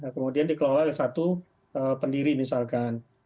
kemudian dikelola oleh satu pendiri misalkan